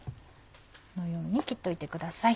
このように切っておいてください。